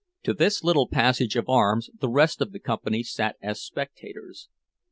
To this little passage of arms the rest of the company sat as spectators.